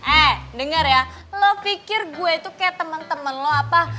eh denger ya lo pikir gue itu kayak temen temen lo apa